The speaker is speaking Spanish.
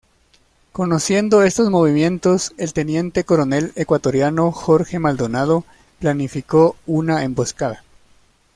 Conociendo estos movimientos, el teniente coronel ecuatoriano Jorge Maldonado planificó una emboscada.